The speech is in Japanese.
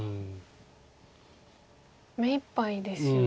目いっぱいですよね。